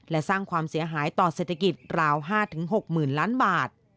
และสร้างความเสียหายต่อเศรษฐกิจราว๕๖๐๐๐ล้านบาท